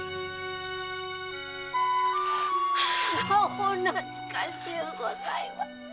お懐かしゅうございます！